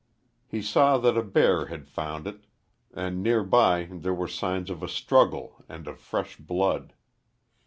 He saw that a bear had found it, and near by there were signs of a struggle and of fresh blood.